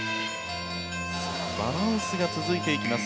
バランスが続いていきます。